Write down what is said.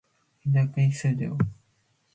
Intac isquido